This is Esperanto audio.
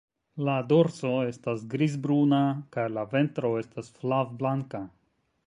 La dorso estas griz-bruna, kaj la ventro estas flav-blanka.